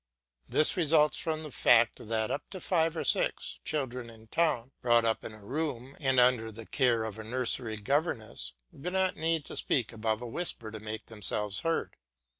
This results from the fact that, up to five or six, children in town, brought up in a room and under the care of a nursery governess, do not need to speak above a whisper to make themselves heard.